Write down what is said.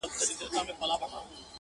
کيسه په کابل کي ولوستل سوه,